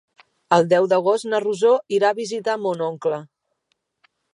El deu d'agost na Rosó irà a visitar mon oncle.